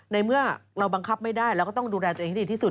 ในเมื่อเราบังคับไม่ได้เราก็ต้องดูแลตัวเองให้ดีที่สุด